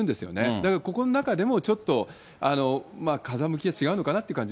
だからここの中でもちょっと風向きが違うのかなっていう感じ